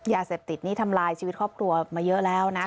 ยาเสพติดนี่ทำลายชีวิตครอบครัวมาเยอะแล้วนะ